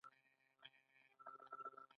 خو له خپلې ټاکنې ښه پایله نه اخلي.